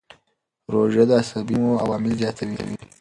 روژه د عصبي نمو عوامل زیاتوي.